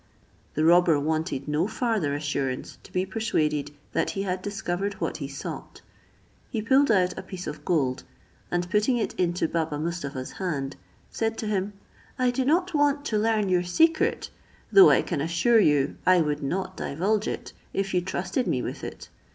The robber wanted no farther assurance to be persuaded that he had discovered what he sought. He pulled out a piece of gold, and putting it into Baba Mustapha's hand, said to him, "I do not want to learn your secret, though I can assure you I would not divulge it, if you trusted me with it.